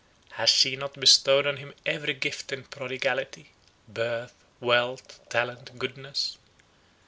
Has she not bestowed on him every gift in prodigality?—birth, wealth, talent, goodness?